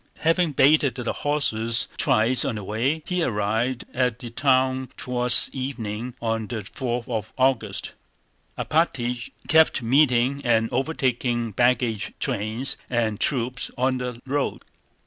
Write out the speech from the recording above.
Having baited the horses twice on the way, he arrived at the town toward evening on the fourth of August. Alpátych kept meeting and overtaking baggage trains and troops on the road.